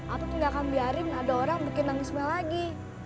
aku gak akan biarin ada orang bikin nangis mel lagi